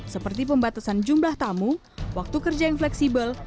seperti pembatasan jumlah tamu waktu kerja yang fleksibel